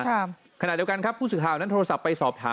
ขณะเดียวกันครับผู้สื่อข่าวนั้นโทรศัพท์ไปสอบถาม